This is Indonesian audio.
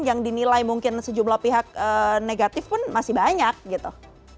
yang dinilai mungkin sejumlah pihak negatif pun masih banyak gitu